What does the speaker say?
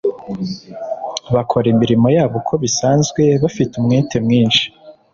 bakora imirimo yabo uko bisanzwe, bafite umwete mwinshi.